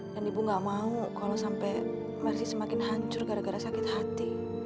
dan ibu gak mau kalo sampe mercy semakin hancur gara gara sakit hati